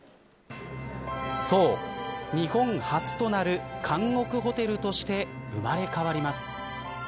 そう、日本初となる監獄ホテルとして生まれ変わります。